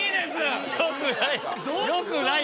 よくない。